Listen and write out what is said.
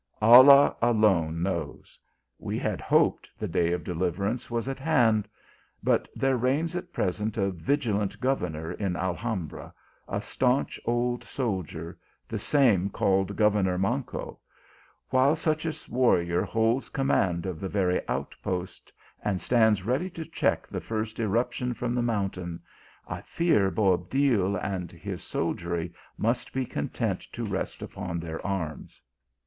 " Allah alone knows. We had hoped the day of 200 THE ALIIAMBKA. deliverance was at hand ; but there reigns at present a vigilant governor in Alhambra, a staunch old soldier, the same called governor Manco ; while such a warrior holds command of the very outpost, and stands ready to check the first irruption from the mountain, I fear Boabdil and his soldiery must be content to rest upon their arms.